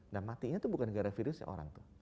dan matinya itu bukan gara gara virusnya orang tuh